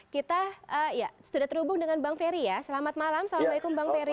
kita sudah terhubung dengan bang ferry ya selamat malam salam alaikum bang ferry